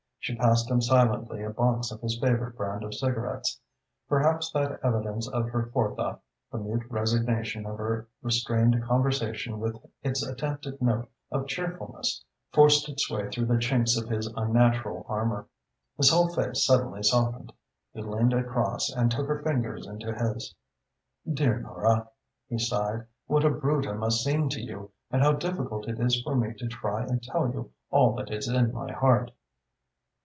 She passed him silently a box of his favourite brand of cigarettes. Perhaps that evidence of her forethought, the mute resignation of her restrained conversation with its attempted note of cheerfulness forced its way through the chinks of his unnatural armour. His whole face suddenly softened. He leaned across and took her fingers into his. "Dear Nora," he sighed, "what a brute I must seem to you and how difficult it is for me to try and tell you all that is in my heart!"